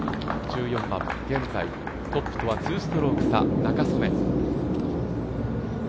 １４番、現在トップとは２ストローク差、仲宗根。